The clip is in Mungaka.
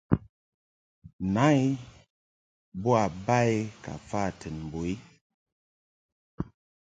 Na I bo ba I ka fa tɨn mbo i.